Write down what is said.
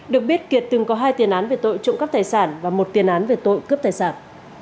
được biết kiệt từng có hai tiền án về tội trộm cắp tài sản và một tiền án về tội cướp tài sản